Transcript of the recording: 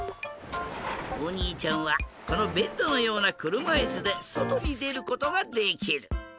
おにいちゃんはこのベッドのようなくるまいすでそとにでることができる！